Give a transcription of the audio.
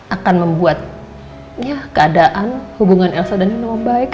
akan membuat ya keadaan hubungan elsa dan nino baik